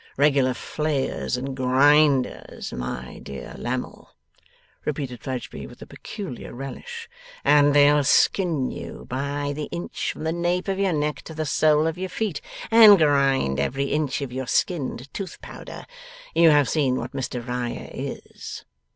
Regular flayers and grinders, my dear Lammle,' repeated Fledgeby with a peculiar relish, 'and they'll skin you by the inch, from the nape of your neck to the sole of your foot, and grind every inch of your skin to tooth powder. You have seen what Mr Riah is.